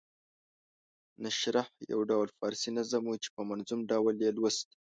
نشرح یو ډول فارسي نظم وو چې په منظوم ډول یې لوست.